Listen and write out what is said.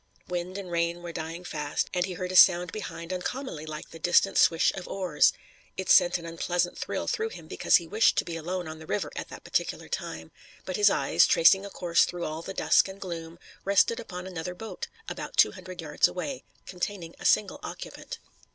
Wind and rain were dying fast, and he heard a sound behind uncommonly like the distant swish of oars. It sent an unpleasant thrill through him, because he wished to be alone on the river at that particular time, but his eyes, tracing a course through all the dusk and gloom, rested upon another boat, about two hundred yards away, containing a single occupant.